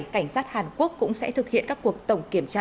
cảnh sát hàn quốc cũng sẽ thực hiện các cuộc tổng kiểm tra